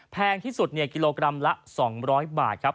แพงที่สุดกิโลกรัมละ๒๐๐บาทครับ